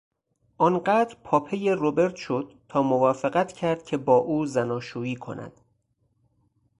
آن قدر پاپی روبرت شد تا موافقت کرد که با او زناشویی کند.